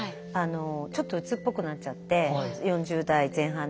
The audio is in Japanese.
ちょっとうつっぽくなっちゃって４０代前半で。